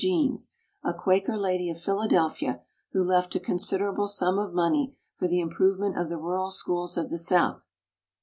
Jeanes, a Quaker lady of Philadelphia who left a considerable sum of money for the improvement of the rural schools of the South.